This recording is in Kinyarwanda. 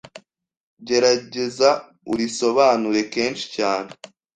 gerageza urisobanure kenshi cyane